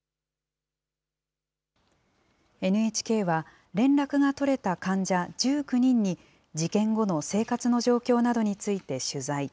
ＮＨＫは、連絡が取れた患者１９人に、事件後の生活の状況などについて取材。